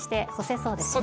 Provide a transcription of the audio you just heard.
そうですね。